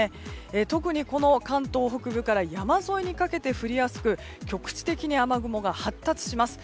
特に関東北部から山沿いにかけて降りやすく局地的に雨雲が発達します。